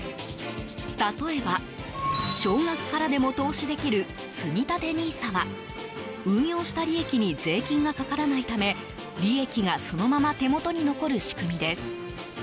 例えば、少額からでも投資できるつみたてＮＩＳＡは運用した利益に税金がかからないため利益がそのまま手元に残る仕組みです。